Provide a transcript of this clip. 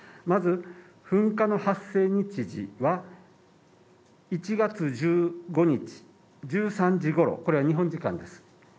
まず、噴火の発生日時は、１月１５日１３時ごろ、これは日本時間です。